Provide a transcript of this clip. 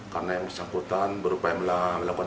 karena yang bersangkutan berupaya melakukan perlindungan